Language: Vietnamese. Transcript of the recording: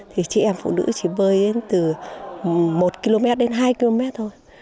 thì chị em phụ nữ chỉ bơi từ một km đến hai km thôi